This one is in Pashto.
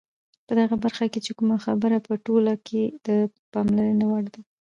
په دغه برخه کې چې کومه خبره په ټوله کې د پاملرنې وړ ده،